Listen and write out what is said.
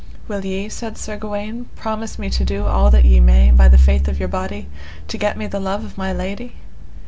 Will ye, said Sir Gawaine, promise me to do all that ye may, by the faith of your body, to get me the love of my lady?